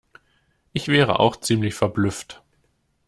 Ich wäre auch ziemlich verblüfft.